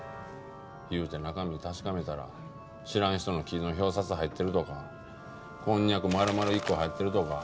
いうて中身確かめたら知らん人の木の表札入ってるとかこんにゃく丸々１個入ってるとか。